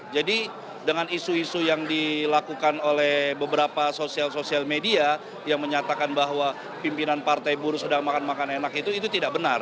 jadi dengan isu isu yang dilakukan oleh beberapa sosial sosial media yang menyatakan bahwa pimpinan partai buruh sedang makan makan enak itu itu tidak benar